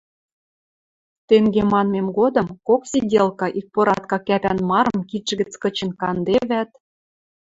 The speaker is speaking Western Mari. Тенге манмем годым кок сиделка икпоратка кӓпӓн марым кидшӹ гӹц кычен кандевӓт